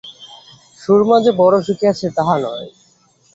সুরমা যে বড় সুখে আছে তাহা নয়।